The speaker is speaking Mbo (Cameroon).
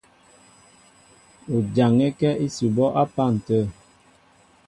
O jaŋɛ́kɛ́ ísʉbɔ́ á pân tə̂.